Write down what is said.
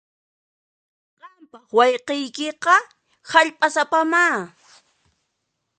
Qampaq wayqiykiqa hallp'asapamá.